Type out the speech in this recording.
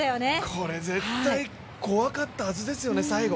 これ絶対怖かったはずですよね、最後。